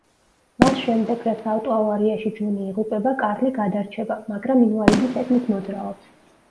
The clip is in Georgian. მას შემდეგ, რაც ავტოავარიაში ჯუნი იღუპება, კარლი გადარჩება, მაგრამ ინვალიდის ეტლით მოძრაობს.